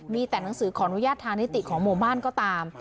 มีแต่หนังสือขออนุญาตทางนิติของหมู่บ้านก็ตาม